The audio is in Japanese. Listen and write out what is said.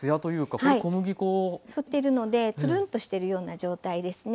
吸ってるのでつるんとしてるような状態ですね。